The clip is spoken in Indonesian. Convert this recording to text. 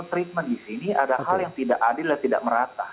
treatment di sini ada hal yang tidak adil dan tidak merata